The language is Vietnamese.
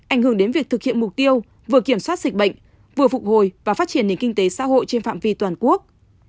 ảnh hưởng đến việc thực hiện mục tiêu vừa kiểm soát dịch bệnh vừa phục hồi và phát triển nền kinh tế xã hội trên phạm vi toàn quốc